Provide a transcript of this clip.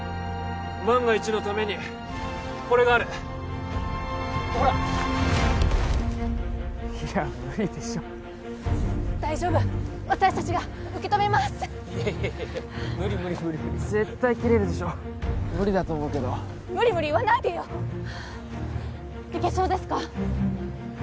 万が一のためにこれがあるほらいや無理でしょ大丈夫私達が受け止めますいやいやいや無理無理無理絶対切れるでしょ無理だと思うけど無理無理言わないでよいけそうですか？